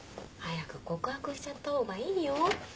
早く告白しちゃった方がいいよ。